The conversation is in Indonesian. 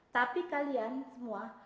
tapi kalian semua